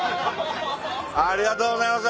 ありがとうございます。